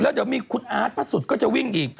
เดี๋ยวมีคุณอาร์ตพระสุทธิก็จะวิ่งอีก